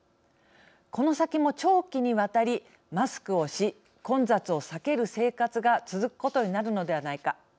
この先も長期にわたりマスクをし混雑を避ける生活が続くことになるのではないか。